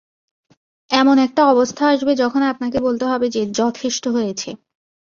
এমন একটা অবস্থা আসবে, যখন আপনাকে বলতে হবে যে, যথেষ্ট হয়েছে।